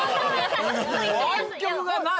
湾曲がない？